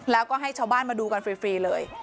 แล้วก็ให้ชาวบ้านมาดูกันฟรีเลย